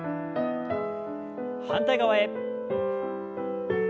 反対側へ。